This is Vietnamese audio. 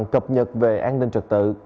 cập nhật về an ninh trật tự